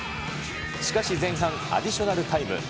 しかし、前半アディショナルタイム。